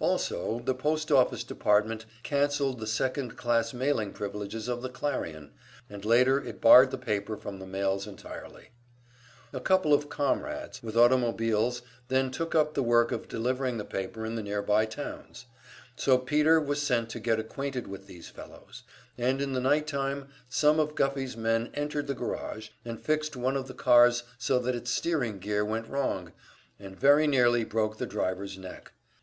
Also the post office department cancelled the second class mailing privileges of the "Clarion," and later it barred the paper from the mails entirely. A couple of "comrades" with automobiles then took up the work of delivering the paper in the nearby towns; so Peter was sent to get acquainted with these fellows, and in the night time some of Guffey's men entered the garage, and fixed one of the cars so that its steering gear went wrong and very nearly broke the driver's neck.